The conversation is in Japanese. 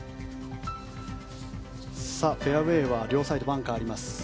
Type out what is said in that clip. フェアウェーは両サイド、バンカーあります。